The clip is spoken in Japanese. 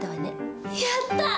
やった！